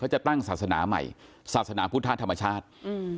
จะตั้งศาสนาใหม่ศาสนาพุทธธรรมชาติอืม